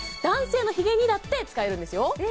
男性のヒゲにだって使えるんですよ